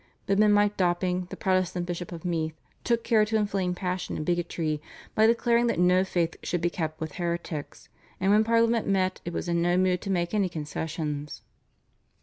But men like Dopping, the Protestant Bishop of Meath, took care to inflame passion and bigotry by declaring that no faith should be kept with heretics, and when Parliament met it was in no mood to make any concessions.